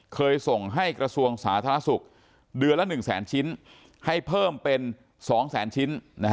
เคยส่งให้กระทรวงสาธารณสุขเดือนละ๑แสนชิ้นให้เพิ่มเป็น๒แสนชิ้น